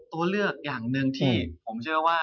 ตัวเลือกอย่างหนึ่งที่ผมเชื่อว่า